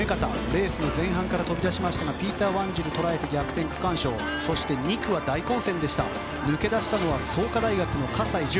レースの前半から飛び出しましたがピーター・ワンジル捉えて逆転、区間賞そして２区は大混戦でした抜け出したのは創価の葛西潤。